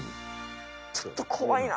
ちょっと怖いな。